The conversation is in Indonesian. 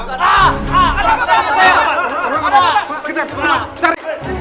berita itu tidak benar